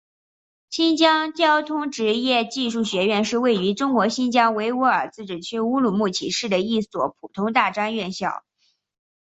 新疆交通职业技术学院是位于中国新疆维吾尔自治区乌鲁木齐市的一所普通大专院校。